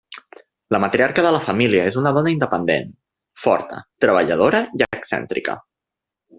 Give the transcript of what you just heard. La matriarca de la família és una dona independent, forta, treballadora i excèntrica.